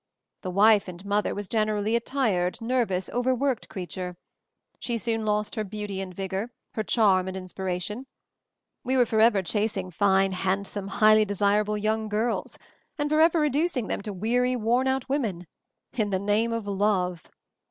"The 'wife and mother' was generally a tired, nervous, overworked creature. She soon lost her beauty and vigor, her charm and inspiration. We were forever chasing fine, handsome, highly desirable young girls, and forever reducing them to weary; worn out women — in the name of love